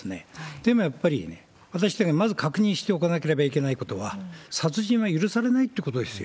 でもやっぱりね、私たちがまず確認しておかなければいけないことは、殺人は許されないってことですよ。